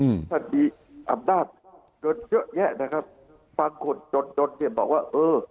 อืมท่านมีอำนาจเยอะแยะนะครับฟังคนจนเนี่ยบอกว่าเออ